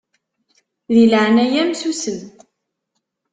Di leɛnaya-m susem.